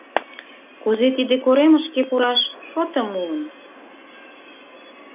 Кузе тиде коремышке пураш шотым муын?